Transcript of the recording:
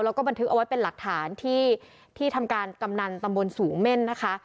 แล้วก็บันทึกเอาไว้เป็นหลักฐานที่ที่ทำการกำนันตำบลสูงเม่นนะคะ